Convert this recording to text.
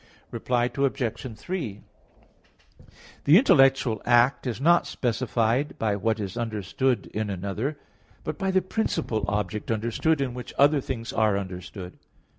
Reply Obj. 3: The intellectual act is not specified by what is understood in another, but by the principal object understood in which other things are understood.